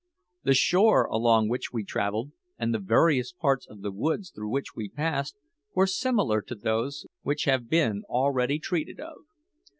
The shore along which we travelled, and the various parts of the woods through which we passed, were similar to those which have been already treated of.